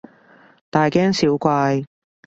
大驚小怪